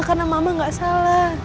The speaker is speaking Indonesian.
karena mama gak salah